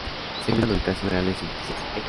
Se combinan ubicaciones reales y ficticias.